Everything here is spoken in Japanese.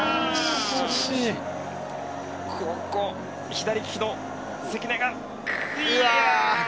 左利きの関根が。